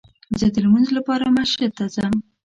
زه دلمونځ لپاره مسجد ته ځم